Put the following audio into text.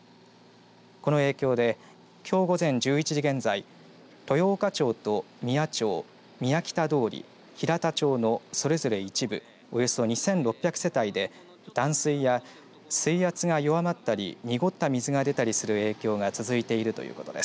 この影響できょう午前１１時現在豊岡町と三谷町三谷北通平田町のそれぞれ一部およそ２６００世帯で断水や水圧が弱まったり濁った水が出たりする影響が続いているということです。